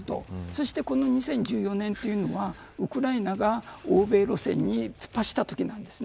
そしてこの２０１４年というのはウクライナが欧米路線につっ走ったときなんです。